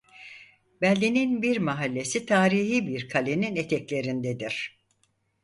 Beldenin bir mahallesi tarihi bir kalenin eteklerindedir.